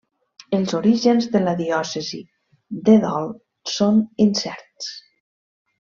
Els orígens de la diòcesi de Dol són incerts.